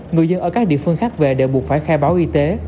người dân ở các địa phương khác về đều buộc phải khai báo y tế